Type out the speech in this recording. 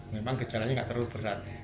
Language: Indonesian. memang gejalanya nggak terlalu berat